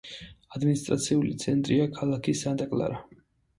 ადმინისტრაციული ცენტრია ქალაქი სანტა-კლარა.